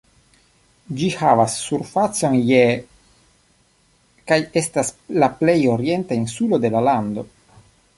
Ĝi havas surfacon je kaj estas la plej orienta insulo de la lando.